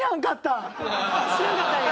知らんかったんや。